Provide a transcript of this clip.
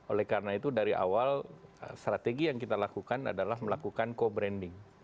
oleh karena itu dari awal strategi yang kita lakukan adalah melakukan co branding